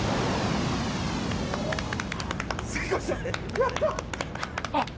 やった！